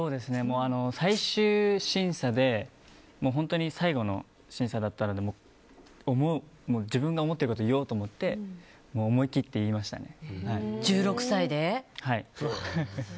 最終審査で本当に最後の審査だったので自分が思ってることを言おうと思って思い切って言いましたね。